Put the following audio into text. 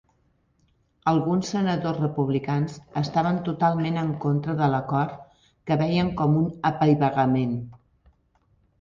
Alguns senadors republicans estaven totalment en contra de l'acord, que veien com un apaivagament.